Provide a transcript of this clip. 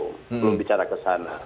belum bicara ke sana